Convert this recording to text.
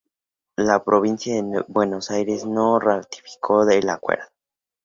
La provincia de Buenos Aires no ratificó el acuerdo.